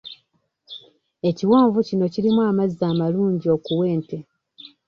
Ekiwonvu kino kirimu amazzi amalungi okuwa ente.